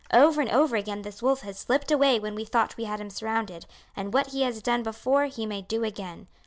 Over and over again this wolf has slipped away when we thought we had him surrounded, and what he has done before he may do again.